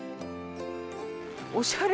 おしゃれ。